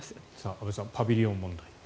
安部さんパビリオン問題。